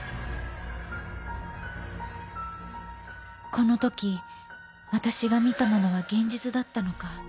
この時私が見たものは現実だったのか？